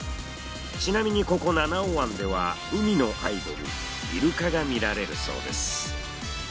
ちなみにここ七尾湾では海のアイドルイルカが見られるそうです。